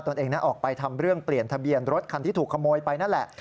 ตัวเองออกไปทำเรื่องเปลี่ยนทะเบียนรถคันที่ถูกขโมยไปนั่นแหละ